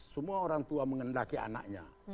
semua orang tua mengendaki anaknya